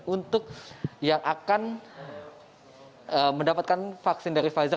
untuk yang akan mendapatkan vaksin dari pfizer